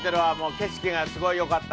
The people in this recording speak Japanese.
景色がすごいよかった